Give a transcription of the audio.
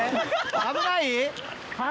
危ない？